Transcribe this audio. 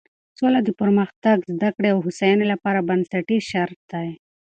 سوله د پرمختګ، زده کړې او هوساینې لپاره بنسټیز شرط دی.